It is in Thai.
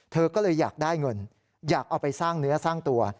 เธอก็เลยอยากได้เงินอยากเอาไปสร้างเนื้อสร้างตัว